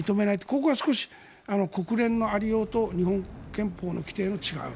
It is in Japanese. ここは少し、国連の有りようと日本の憲法の規定が違う。